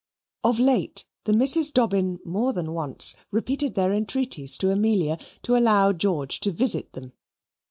Of late the Misses Dobbin more than once repeated their entreaties to Amelia, to allow George to visit them.